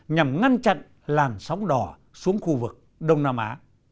nhằm ngăn chặn làn sóng đỏ xuống khu vực đông nam á